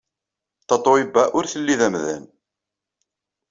Tatoeba ur telli d amdan.